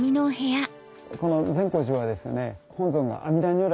この善光寺はですね本尊が。